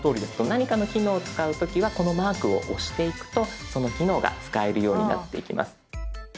何かの機能を使うときはこのマークを押していくとその機能が使えるようになっていきます。